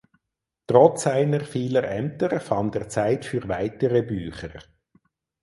Trotz seiner vielen Ämter fand er Zeit für weitere Bücher.